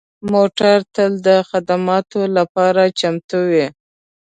موټر تل د خدماتو لپاره چمتو وي.